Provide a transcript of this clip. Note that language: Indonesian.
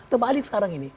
terbalik sekarang ini